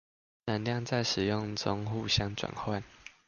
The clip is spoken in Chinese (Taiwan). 能量在使用中相互轉換